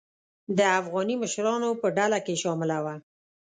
د افغاني مشرانو په ډله کې شامله وه.